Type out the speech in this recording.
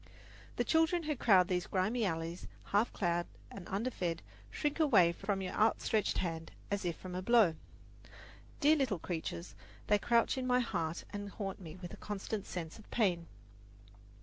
The children who crowd these grimy alleys, half clad and underfed, shrink away from your outstretched hand as if from a blow. Dear little creatures, they crouch in my heart and haunt me with a constant sense of pain.